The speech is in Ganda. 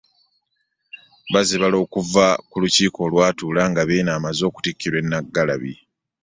Bazibala okuva ku Lukiiko olwatuula nga Beene amaze okutikkirwa e Naggalabi.